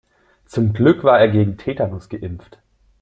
Zum Glück war er gegen Tetanus geimpft.